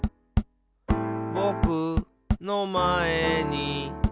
「ぼくのまえに」